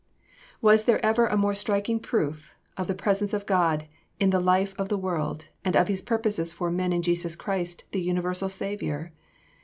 Was there ever a more striking proof of the presence of God in the life of the world and of His purposes for men in Jesus Christ the universal Saviour?